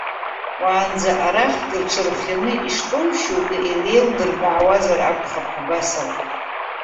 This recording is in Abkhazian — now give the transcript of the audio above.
Уаанӡа арахьгьы рҽырхианы иштәоу шьоукы илеилдыркаауазар акәхап, абас ауп.